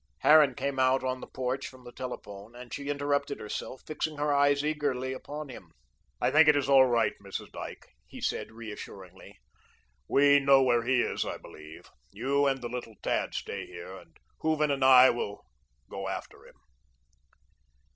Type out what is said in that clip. Harran came out on the porch, from the telephone, and she interrupted herself, fixing her eyes eagerly upon him. "I think it is all right, Mrs. Dyke," he said, reassuringly. "We know where he is, I believe. You and the little tad stay here, and Hooven and I will go after him."